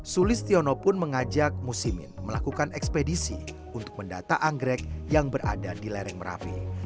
sulistiono pun mengajak musimin melakukan ekspedisi untuk mendata anggrek yang berada di lereng merapi